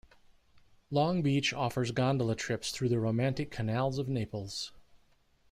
Long Beach offers gondola trips through the romantic canals of Naples.